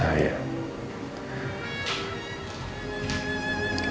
padahal saya sudah meminta maaf